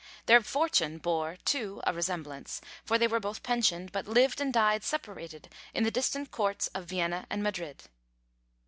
Their fortune bore, too, a resemblance; for they were both pensioned, but lived and died separated in the distant courts of Vienna and Madrid.